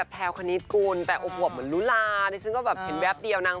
ตัดผมสั้นดีกว่า